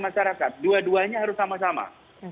masyarakat dua duanya harus sama sama